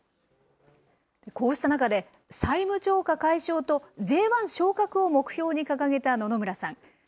こうした中で、債務超過解消とＪ１昇格を目標に掲げた野々村さん。